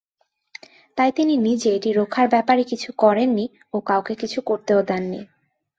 তাই তিনি নিজে এটি রক্ষার ব্যাপারে কিছু করেন নি ও কাউকে কিছু করতেও দেন নি।